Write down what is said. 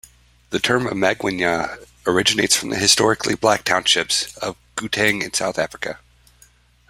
The term "amagwinya" originates from the historically Black townships of Gauteng in South Africa.